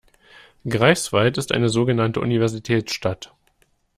Greifswald ist eine sogenannte Universitätsstadt.